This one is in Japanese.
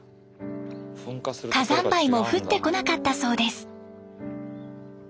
火山灰も降ってこなかったそうです。